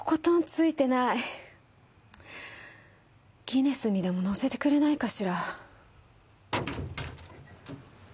ギネスにでも載せてくれないかしら？